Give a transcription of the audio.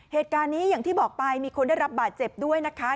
เหตุการณ์นี้อย่างที่บอกไปมีคนได้รับบาดเจ็บด้วยนะคะ